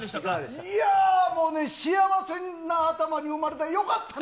いやー、もう幸せな頭に生まよかったな。